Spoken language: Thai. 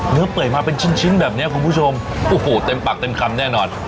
เปื่อยมาเป็นชิ้นแบบนี้คุณผู้ชมโอ้โหเต็มปากเต็มคำแน่นอน